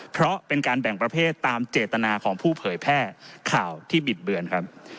เพราะเป็นการแบ่งประเภทตามเจตนาของผู้เผยแพร่ข่าวที่บิดเบือนครับ